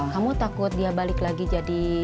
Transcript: kamu takut dia balik lagi jadi